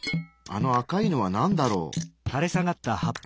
あの赤いのはなんだろう？